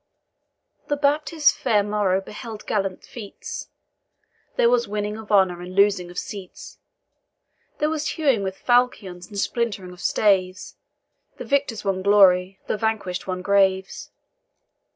The Baptist's fair morrow beheld gallant feats There was winning of honour and losing of seats; There was hewing with falchions and splintering of staves The victors won glory, the vanquish'd won graves.